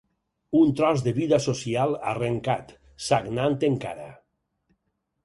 Un tros de vida social arrencat, sagnant encara